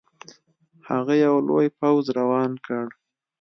هغه یو لوی پوځ روان کړ.